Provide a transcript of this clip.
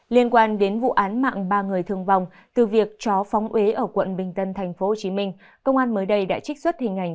liên quan đến vụ án mạng ba người thương vong từ việc chó phóng ế ở quận bình tân tp hcm công an mới đây đã trích xuất hình ảnh